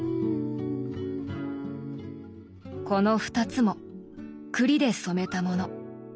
この２つも栗で染めたもの。